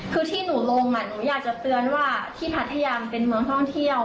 คือที่หนูลงหนูอยากจะเตือนว่าที่พัทยามเป็นเมืองท่องเที่ยว